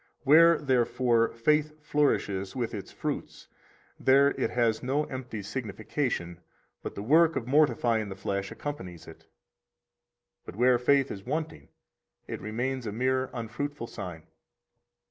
73 Where, therefore, faith flourishes with its fruits, there it has no empty signification, but the work [of mortifying the flesh] accompanies it; but where faith is wanting, it remains a mere unfruitful sign.